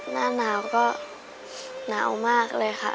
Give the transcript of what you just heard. หน้าหนาวก็หนาวมากเลยค่ะ